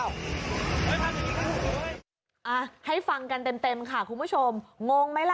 อันนี้มันใหม่ไงไม่ได้ถ่ายมารถพี่